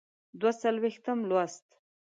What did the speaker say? دوه څلویښتم لوست.